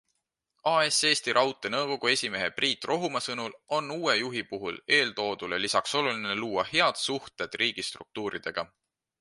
AS Eesti Raudtee nõukogu esimehe Priit Rohumaa sõnul on uue juhi puhul eeltoodule lisaks oluline luua head suhted riigistruktuuridega.